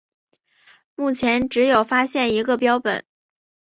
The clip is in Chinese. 目前只有发现一个标本。